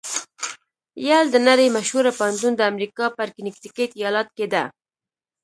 یل د نړۍ مشهوره پوهنتون د امریکا په کنېکټیکیټ ایالات کې ده.